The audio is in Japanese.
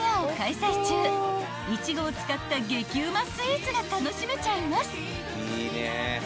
［イチゴを使った激うまスイーツが楽しめちゃいます］